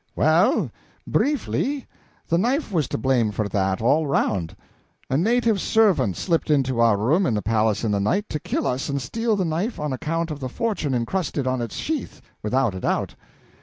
"Well, briefly, the knife was to blame for that, all around. A native servant slipped into our room in the palace in the night, to kill us and steal the knife on account of the fortune incrusted on its sheath, without a doubt.